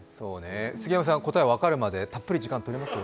杉山さん、答え分かるまでたっぷり時間とりますよ。